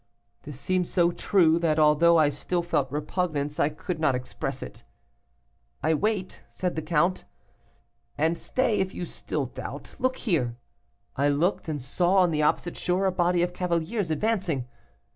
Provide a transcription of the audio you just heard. This seemed so true, that although I still felt repugnance, I could not express it. 'I wait,' said the count, 'and stay; if you still doubt, look there.' I looked, and saw on the opposite shore a body of cavaliers advancing.